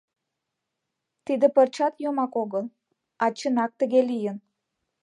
Тиде пырчат йомак огыл, а чынак тыге лийын.